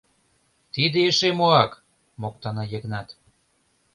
— Тиде эше моак! — моктана Йыгнат.